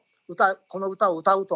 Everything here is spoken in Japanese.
この歌を歌うと。